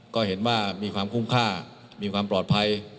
ก็เห็นว่ามีความคุ้มค่ามีความปลอดภัย